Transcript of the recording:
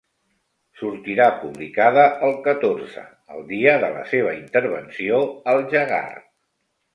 Sortirà publicada el catorze, el dia de la seva intervenció al Jaggar.